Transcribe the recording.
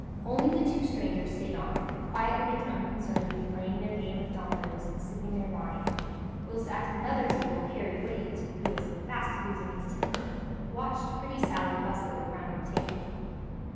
Only the two strangers stayed on, quietly and unconcernedly playing their game of dominoes and sipping their wine; whilst at another table Harry Waite, who was fast losing his temper, watched pretty Sally bustling round the table.